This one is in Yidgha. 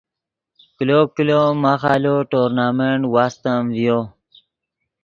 کلو کلو ماخ آلو ٹورنامنٹ واستم ڤیو